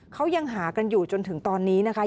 เขายังหากันอยู่จนถึงตอนนี้นะคะ